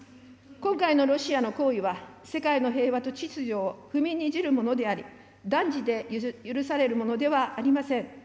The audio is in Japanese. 今回のロシアの行為は、世界の平和と秩序を踏みにじるものであり、断じて許されるものではありません。